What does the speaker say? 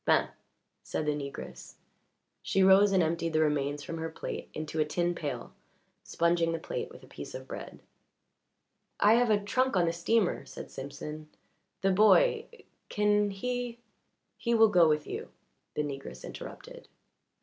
"B'en," said the negress. She rose and emptied the remains from her plate into a tin pail, sponging the plate with a piece of bread. "I have a trunk on the steamer," said Simpson. "The boy can he " "He will go with you," the negress interrupted.